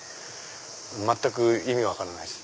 全く意味が分からないです。